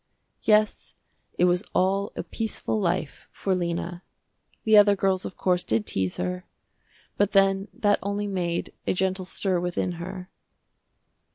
Yes it was all a peaceful life for Lena. The other girls, of course, did tease her, but then that only made a gentle stir within her.